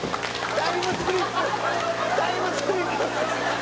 タイムスリップ！」